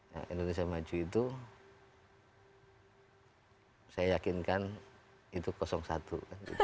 nah indonesia maju itu saya yakinkan itu kosong satu